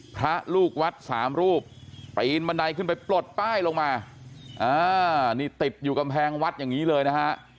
พระลูกวัดสามรูปปีนบันไดขึ้นไปปลดป้ายลงมานี่ติดอยู่กำแพงวัดอย่างนี้เลยนะฮะ